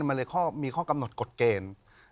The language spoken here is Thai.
มันเลยข้อมีข้อกำหนดกฎเกณฑ์